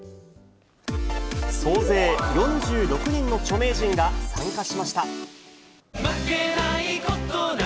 総勢４６人の著名人が参加しました。